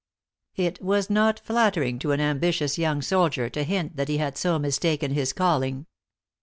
It was not flattering to an ambitious young soldier to hint that he had so mistaken his calling.